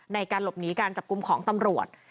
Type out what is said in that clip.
ในการหลบหนีการจับกลุ่มของตำรวจ